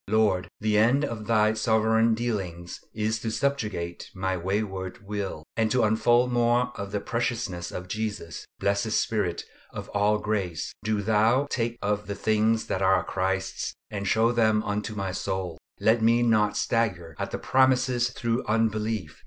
Lord! the end of all Thy sovereign dealings is to subjugate my wayward will, and to unfold more of the preciousness of Jesus. Blessed Spirit of all grace! do Thou take of the things that are Christ's and show them unto my soul. Let me not stagger at the promises through unbelief.